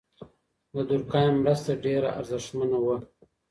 د دورکهایم مرسته ډیره ارزښتمنه وه.